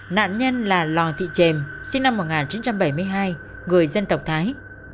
nạn nhân là lò thị trềm sinh năm một nghìn chín trăm bảy mươi hai người dân tộc thái